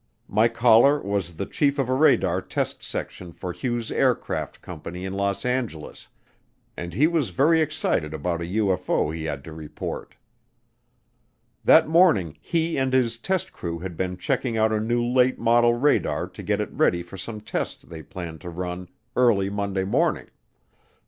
My caller was the chief of a radar test section for Hughes Aircraft Company in Los Angeles, and he was very excited about a UFO he had to report. That morning he and his test crew had been checking out a new late model radar to get it ready for some tests they planned to run early Monday morning.